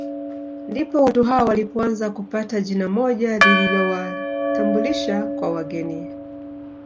Ndipo watu hao walipoanza kupata jina moja lililowatambulisha kwa wageni